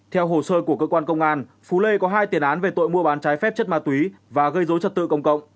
theo hồ sơ của cơ quan công an phú lê có hai tiền án về tội mua bán trái phép chất ma túy và gây dối trật tự công cộng